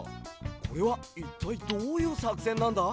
これはいったいどういうさくせんなんだ？